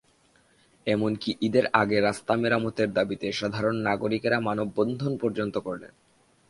এমনকি ঈদের আগে রাস্তা মেরামতের দাবিতে সাধারণ নাগরিকেরা মানববন্ধন পর্যন্ত করলেন।